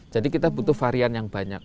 jadi kita butuh varian yang banyak